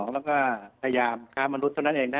แล้วก็พยายามค้ามนุษย์เท่านั้นเองนะ